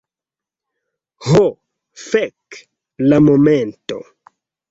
Ho, fek'. La momento.